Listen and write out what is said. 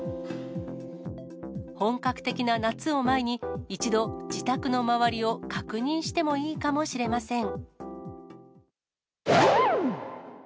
本格的な夏を前に、一度、自宅の周りを確認してもいいかもしれません。